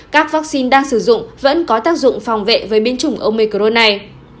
các vaccine đang sử dụng vẫn có tác dụng phòng vệ với biến chủng omicro này